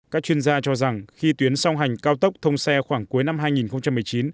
các chuyên gia cho rằng khi tuyến song hành cao tốc thông xe khoảng cuối năm hai nghìn một mươi chín